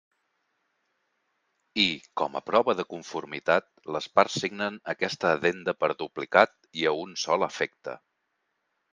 I, com a prova de conformitat, les parts signen aquesta Addenda per duplicat i a un sol efecte.